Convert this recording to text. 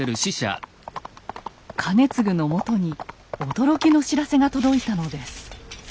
兼続のもとに驚きの知らせが届いたのです。